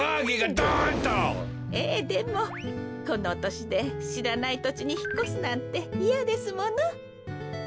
ええでもこのとしでしらないとちにひっこすなんていやですもの。